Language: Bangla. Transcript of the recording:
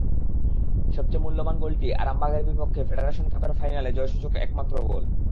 সবচেয়ে মূল্যবান গোলটি আরামবাগের বিপক্ষে ফেডারেশন কাপের ফাইনালে, জয়সূচক একমাত্র গোল।